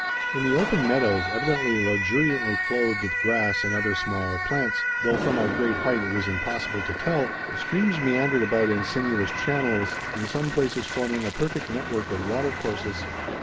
In the open meadows, evidently luxuriantly clothed with grass and other small plants, though from our great height it was impossible to tell, the streams meandered about in sinuous channels, in some places forming a perfect network of watercourses.